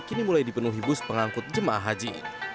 kini mulai dipenuhi bus pengangkut jemaah haji